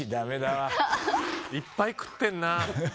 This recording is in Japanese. いっぱい食ってんな。